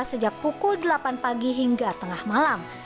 sejak pukul delapan pagi hingga tengah malam